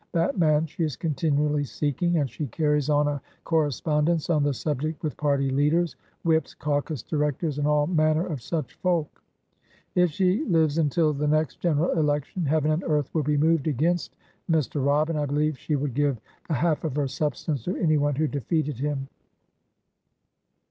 That man she is continually seeking, and she carries on a correspondence on the subject with party leaders, whips, caucus directors, and all manner of such folk. If she lives until the next general election, heaven and earth will be moved against Mr. Robb, and I believe she would give the half of her substance to anyone who defeated him."